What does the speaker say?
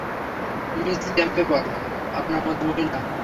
Miss Campbell, আপনার মতো মহিলা?